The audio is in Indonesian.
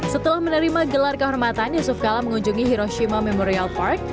setelah menerima gelar kehormatan yusuf kala mengunjungi hiroshima memorial park